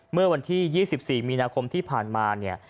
เมื่อวันที่๒๔มีนาคมที่ผ่านมาเนี่ย